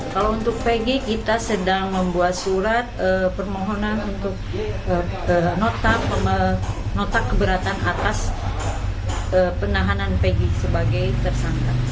kalau untuk pg kita sedang membuat surat permohonan untuk nota keberatan atas penahanan pegi sebagai tersangka